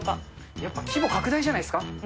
やっぱ規模拡大じゃないですか。